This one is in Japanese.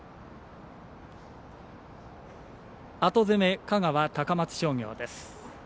後攻め、香川の高松商業です。